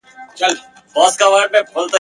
لا مي پلونه پکښی پاته هغه لار په سترګو وینم !.